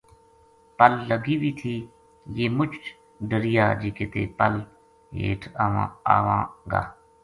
پل لگی وی تھی یہ مُچ ڈریا جے کِتے پل ہیٹھ آواں گا۔